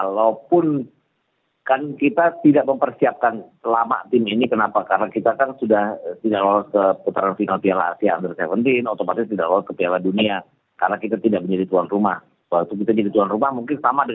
bagaimana perasaan anda mengatakan bahwa indonesia akan memperbaiki perjalanan ke jerman